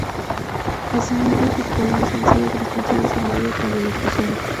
Así mismo sus poemas han sido transmitidos en varias radiodifusoras.